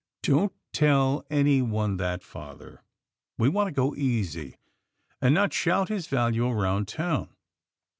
" Don't tell anyone that, father. We want to go easy, and not shout his value round town.